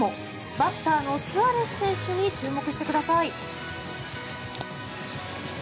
バッターのスアレス選手に注目してください。